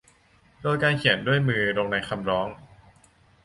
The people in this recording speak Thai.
โดยการเขียนด้วยมือลงในคำร้อง